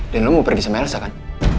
dan lo mau pergi sama elsa kan